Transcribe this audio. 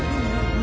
何？